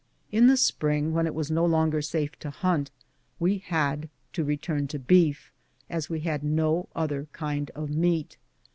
In the spring, when it was no longer safe to hunt, we had to return to beef, as we had no other kind of meat.